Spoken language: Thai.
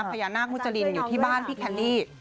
พญานาคมุจรินอยู่ที่บ้านพี่แคนดี้